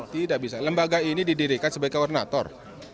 tidak bisa lembaga ini didirikan sebagai koordinator